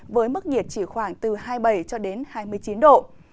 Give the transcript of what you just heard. với mức nhiệt chỉ khoảng từ hai mươi bảy hai mươi chín độ